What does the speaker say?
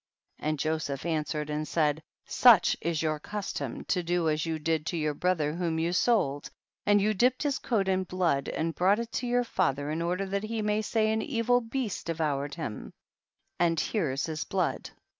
27. And Joseph answered and said, such is your custom to do as you did to your brother whom you sold, and you dipped his coat in blood and brought it to your father in order that he might say an evil beast de voured him and here is his blood.